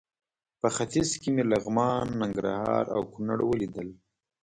په ختیځ کې مې لغمان، ننګرهار او کونړ ولیدل.